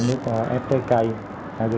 thêm nước ép trái cây